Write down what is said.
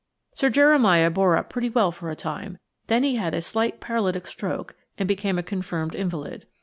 Sir Jeremiah bore up pretty well for a time, then he had a slight paralytic stroke and became a confirmed invalid.